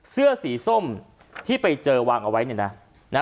เสื้อสีส้มที่ไปเจอวางเอาไว้เนี่ยนะ